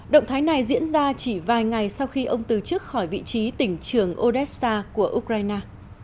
động thái này diễn ra chỉ vài ngày sau khi ông từ chức khỏi vị trí tỉnh trường odessa của ukraine